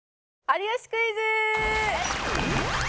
『有吉クイズ』！